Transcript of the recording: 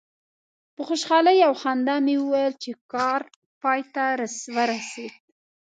په خوشحالي او خندا مې وویل چې کار پای ته ورسید.